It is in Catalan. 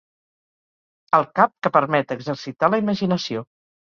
El cap que permet exercitar la imaginació.